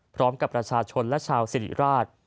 พร้อมกับประชาชนและชาวสิริราช